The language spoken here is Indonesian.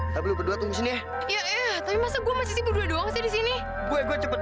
tapi berdua tunggu sini ya iya tapi masa gue masih sibuk dua doang sih disini gue gue cepet